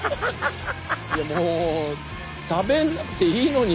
もう食べなくていいのに。